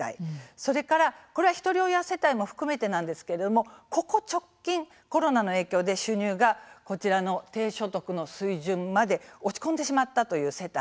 それからこれは、ひとり親世帯も含めてなんですがここ直近コロナの影響で収入が低所得の水準まで落ち込んでしまったという世帯